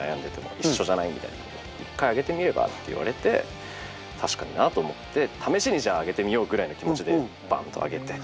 「１回あげてみれば？」って言われて確かになと思って試しにじゃああげてみようぐらいの気持ちでバンッとあげて。